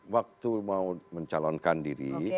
waktu mau mencalonkan diri